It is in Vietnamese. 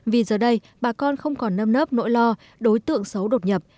vì giờ đây bà con không còn nâm nớp nỗi lo đối tượng xấu đột nhập